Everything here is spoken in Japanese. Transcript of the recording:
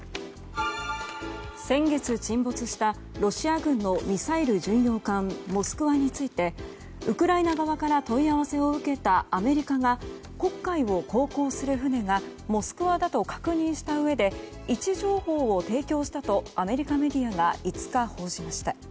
先月沈没したロシア軍のミサイル巡洋艦「モスクワ」についてウクライナ側から問い合わせを受けたアメリカが黒海を航行する船が「モスクワ」だと確認したうえで位置情報を提供したとアメリカメディアが５日報じました。